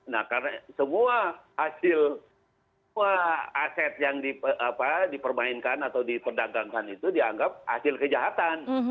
nah karena semua hasil semua aset yang dipermainkan atau diperdagangkan itu dianggap hasil kejahatan